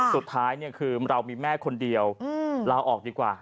สุดท้ายคือเรามีแม่คนเดียวลาออกดีกว่า